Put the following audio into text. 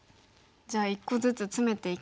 じゃあ１個ずつつめていきますか。